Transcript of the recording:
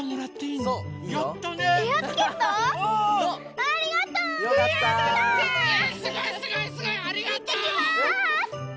いってきます！